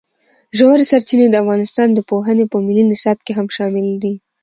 ژورې سرچینې د افغانستان د پوهنې په ملي نصاب کې هم شامل دي.